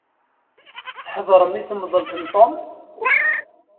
Tḥeḍrem i temḍelt n Tom?